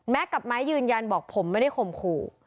กับไม้ยืนยันบอกผมไม่ได้ข่มขู่